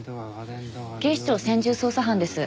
警視庁専従捜査班です。